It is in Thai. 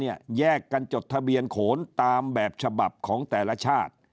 แยกกันจดทะเบียนโขนตามแบบฉบับของแต่ละชาติ